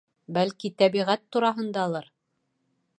Бәлки, тәбиғәт тураһындалыр.